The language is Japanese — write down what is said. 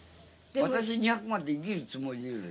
私２００までは生きるつもりでいる。